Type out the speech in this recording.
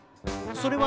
それは？